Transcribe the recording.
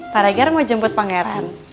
pak regar mau jemput pangeran